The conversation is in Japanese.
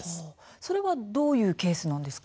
それはどういうケースなんですか？